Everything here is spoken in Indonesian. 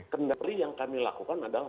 kendari yang kami lakukan adalah